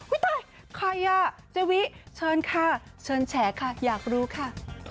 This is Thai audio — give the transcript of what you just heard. ตายใครอ่ะเจวิเชิญค่ะเชิญแฉค่ะอยากรู้ค่ะ